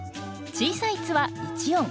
小さい「っ」は１音。